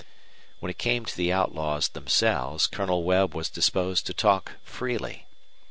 When it came to the outlaws themselves Colonel Webb was disposed to talk freely.